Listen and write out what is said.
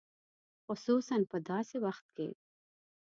خصوصاً په داسې وخت کې.